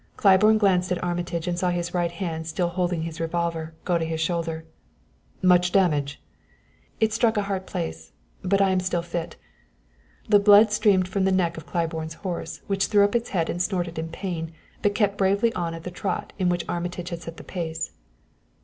Claiborne glanced at Armitage and saw his right hand, still holding his revolver, go to his shoulder. "Much damage?" "It struck a hard place, but I am still fit." The blood streamed from the neck of Claiborne's horse, which threw up its head and snorted in pain, but kept bravely on at the trot in which Armitage had set the pace.